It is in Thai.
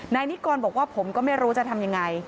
นายนิกรบอกว่าผมก็ไม่รู้จะทำยังไง